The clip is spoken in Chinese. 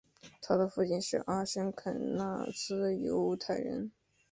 他的父亲是阿什肯纳兹犹太人。